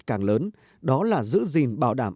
càng lớn đó là giữ gìn bảo đảm